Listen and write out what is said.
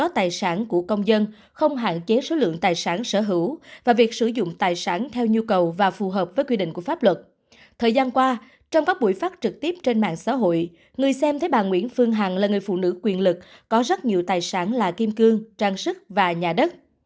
thời gian qua trong các buổi phát trực tiếp trên mạng xã hội người xem thấy bà nguyễn phương hằng là người phụ nữ quyền lực có rất nhiều tài sản là kim cương trang sức và nhà đất